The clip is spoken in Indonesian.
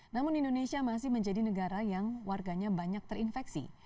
namun indonesia masih menjadi negara yang warganya banyak terinfeksi